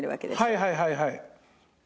はいはいはいはい。